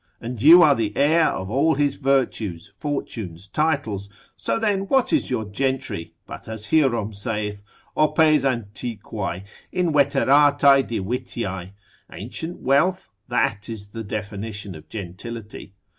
And you are the heir of all his virtues, fortunes, titles; so then, what is your gentry, but as Hierom saith, Opes antiquae, inveteratae divitiae, ancient wealth? that is the definition of gentility.